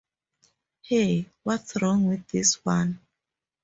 Hey, What's Wrong with This One?